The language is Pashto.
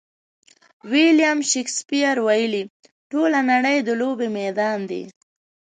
ویلیم شکسپیر ویلي: ټوله نړۍ د لوبې میدان دی.